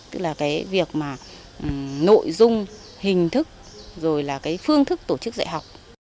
tức là cái việc mà nội dung hình thức rồi là cái phương thức tổ chức dạy học